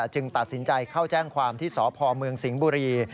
จึงตัดสินใจเข้าแจ้งความที่สพเมืองสิงห์บุรี